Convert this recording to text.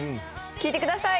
聴いてください